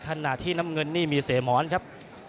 ขณะที่น้ำเงินนี่มีเสหมอนครับ